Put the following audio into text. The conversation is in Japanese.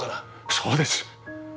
そうです。